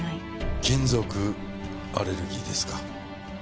金属アレルギーですか。